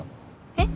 えっ？